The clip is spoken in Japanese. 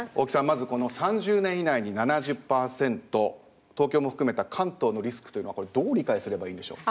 まずこの３０年以内に７０％東京も含めた関東のリスクというのはどう理解すればいいんでしょう？